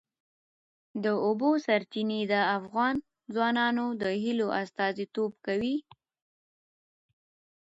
د اوبو سرچینې د افغان ځوانانو د هیلو استازیتوب کوي.